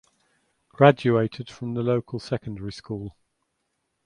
Graduated from the local secondary school.